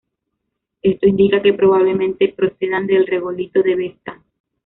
Esto indica que probablemente procedan del regolito de Vesta.